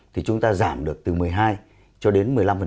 thì chúng ta giảm được từ một mươi hai cho đến một mươi năm